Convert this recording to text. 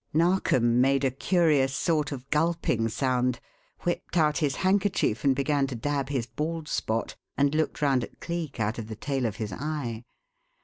Narkom made a curious sort of gulping sound, whipped out his handkerchief and began to dab his bald spot, and looked round at Cleek out of the tail of his eye.